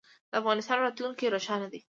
د افغانستان راتلونکی روښانه دی